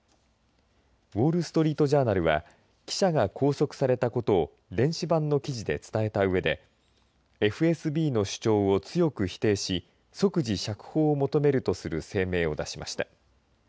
ウォール・ストリート・ジャーナルは記者が拘束されたことを電子版の記事で伝えたうえでＦＳＢの主張を強く否定し即時釈放を求めるとする声明を出しました。